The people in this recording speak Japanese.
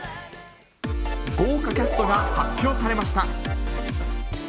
豪華キャストが発表されまし